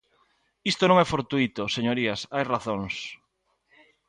Isto non é fortuíto, señorías, hai razóns.